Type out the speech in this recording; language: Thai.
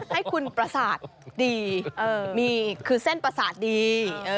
ให้คุณประสาทดีมีคือเส้นประสาทดี